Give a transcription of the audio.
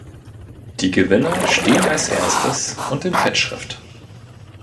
Die Gewinner stehen als erstes und in Fettschrift.